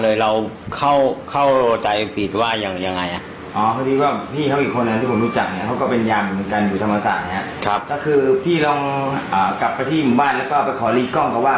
เพราะคือพี่ลองกลับไปที่หมู่บ้านเดี๋ยวเดี๋ยวเขาบอกว่า